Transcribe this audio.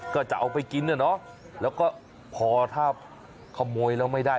ก็จะเอาไปกินน่ะเนอะแล้วก็พอถ้าขโมยแล้วไม่ได้